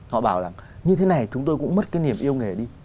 họ bảo rằng như thế này chúng tôi cũng mất cái niềm yêu nghề đi